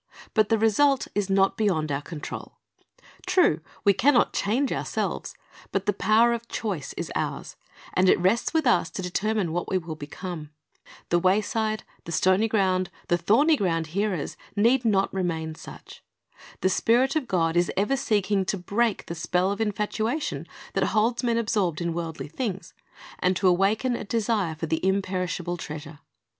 But the result is not beyond our control. True, we can not change ourselves; but the power of choice is ours, and it rests with us to determine what we will become. The wayside, the stony ground, the thorny ground hearers need not remain such. The Spirit of God is ever seeking to break the spell of infatuation that holds men absorbed in worldly things, and to awaken a desire for the imperishable treasure.